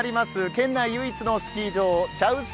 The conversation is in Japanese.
県内唯一のスキー場、茶臼